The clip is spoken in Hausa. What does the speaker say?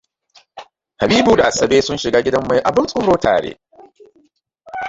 Habibu da Asabe sun shiga gida mai abin tsoro tare.